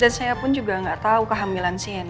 dan saya pun juga gak tau kehamilan sienna